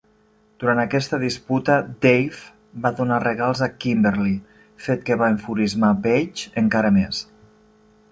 Durant aquesta disputa, Dave va donar regals a Kimberly, fet que va enfurismar Page encara més.